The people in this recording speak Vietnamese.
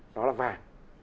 đó là vàng